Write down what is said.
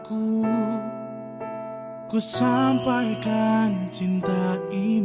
aku tak akan mundur